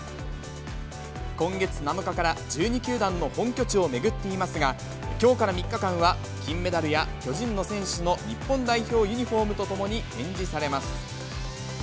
今月７日から１２球団の本拠地を巡っていますが、きょうから３日間は金メダルや巨人の選手の日本代表ユニホームとともに展示されます。